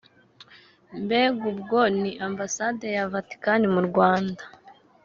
Mbega ubwo ni ambassade ya Vatican mu Rwanda